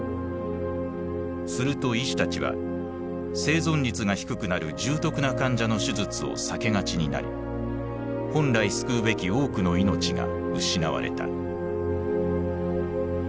すると医師たちは生存率が低くなる重篤な患者の手術を避けがちになり本来救うべき多くの命が失われた。